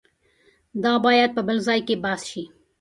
دا باید په بل ځای کې بحث شي.